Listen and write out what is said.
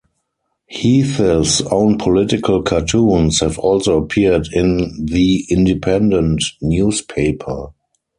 Heath's own political cartoons have also appeared in "The Independent" newspaper.